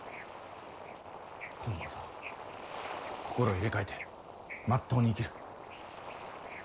今度こそ心を入れ替えてまっとうに生きる。